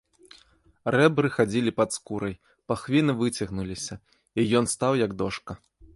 Рэбры хадзілі пад скурай, пахвіны выцягнуліся, і ён стаў, як дошка.